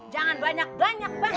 jangan banyak banyak bang